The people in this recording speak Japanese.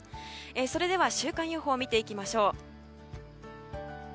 それでは、週間予報を見ていきましょう。